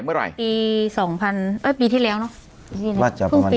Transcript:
เมื่อไหร่ปีสองพันเอ้ยปีที่แล้วเนอะว่าจะประมาณปี